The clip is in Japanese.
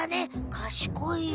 かしこいよ。